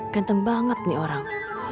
ganteng banget nih orang